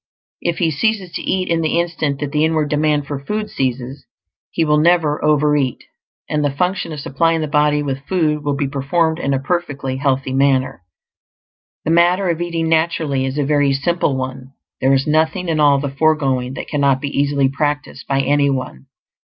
If he ceases to eat in the instant that the inward demand for food ceases, he will never overeat; and the function of supplying the body with food will be performed in a perfectly healthy manner. The matter of eating naturally is a very simple one; there is nothing in all the foregoing that cannot be easily practiced by any one.